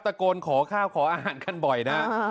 ขอข้าวขออาหารกันบ่อยนะ